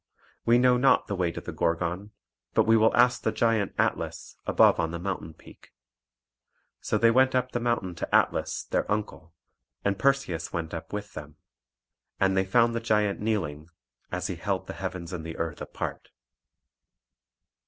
We know not the way to the Gorgon; but we will ask the giant Atlas above upon the mountain peak." So they went up the mountain to Atlas their uncle, and Perseus went up with them. And they found the giant kneeling, as he held the heavens and the earth apart.